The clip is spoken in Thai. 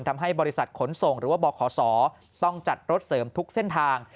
ทำให้บริษัทขนส่งหรือว่าบขศต้องจัดรถเสริมทุกเส้นทาง